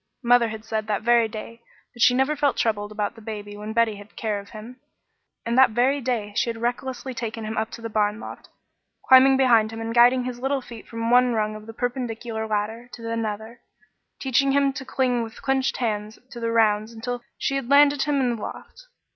Mother had said that very day that she never felt troubled about the baby when Betty had care of him, and that very day she had recklessly taken him up into the barn loft, climbing behind him and guiding his little feet from one rung of the perpendicular ladder to another, teaching him to cling with clenched hands to the rounds until she had landed him in the loft.